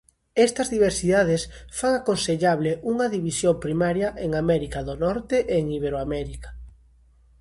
Estas diversidades fan aconsellable unha división primaria en América do Norte e en Iberoamérica.